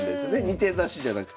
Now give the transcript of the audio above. ２手指しじゃなくて。